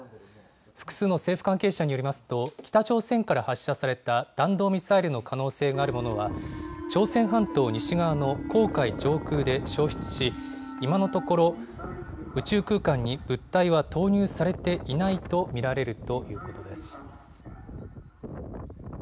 複数の政府関係者によりますと北朝鮮から発射された弾道ミサイルの可能性があるものは朝鮮半島西側の黄海上空で消失し、今のところ宇宙空間に物体は投入されていないと見られるということです。